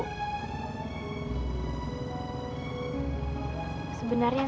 padahal kamu kan benci sekali sama ibu